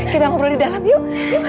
kita ngobrol di dalam yuk